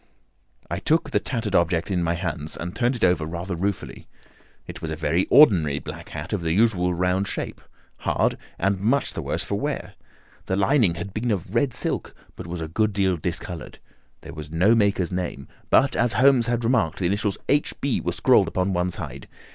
I took the tattered object in my hands and turned it over rather ruefully. It was a very ordinary black hat of the usual round shape, hard and much the worse for wear. The lining had been of red silk, but was a good deal discoloured. There was no maker's name; but, as Holmes had remarked, the initials "H. B." were scrawled upon one side.